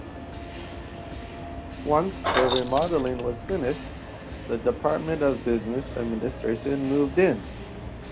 Once the remodeling was finished, the Department of Business Administration moved in.